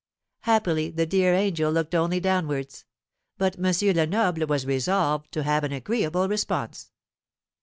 Happily the dear angel looked only downwards. But M Lenoble was resolved to have an agreeable response.